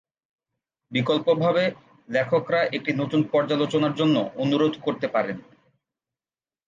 বিকল্পভাবে, লেখকরা একটি নতুন পর্যালোচনার জন্য অনুরোধ করতে পারেন।